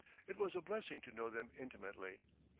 It was a blessing to know them intimately.